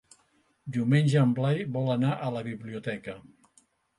Diumenge en Blai vol anar a la biblioteca.